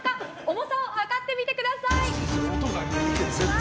重さを量ってみてください。